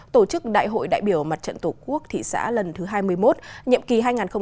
tổ chức đại hội đại biểu mặt trận tổ quốc thị xã lần thứ hai mươi một nhiệm kỳ hai nghìn hai mươi bốn hai nghìn hai mươi chín